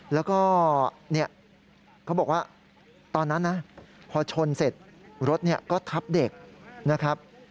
แล้วก็เขาบอกว่าตอนนั้นนะพอชนเสร็จรถก็ทับเด็กนะครับ